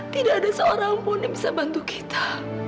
tidak ada seorang pun yang bisa bantu kita